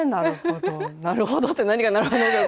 なるほどって何がなるほどなのか。